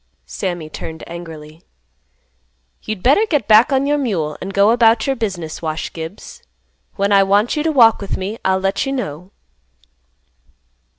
Sammy turned angrily. "You'd better get back on your mule, and go about your business, Wash Gibbs. When I want you to walk with me, I'll let you know."